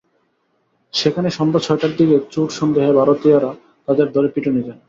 সেখানে সন্ধ্যা ছয়টার দিকে চোর সন্দেহে ভারতীয়রা তাঁদের ধরে পিটুনি দেন।